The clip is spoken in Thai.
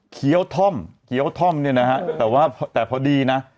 เกี้ยวท่อมนะฮะแต่พอดีน่ะ